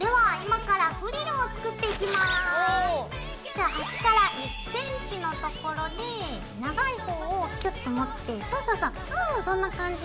じゃあ端から１ｃｍのところで長い方をキュッと持ってそうそうそうそうそんな感じ。